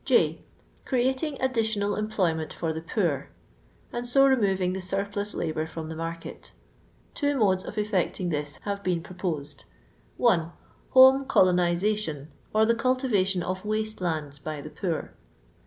J. CreaUnff additional employmtnt for the poor ; and so remoring the surplus labour ' from the market. Two modes of effecting this hare been propoied :— 1. Home colonization, or the cultiration of waste landa by the poor.